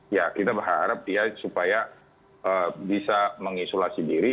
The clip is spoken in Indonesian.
ya kita berharap ya supaya bisa mengisolasi diri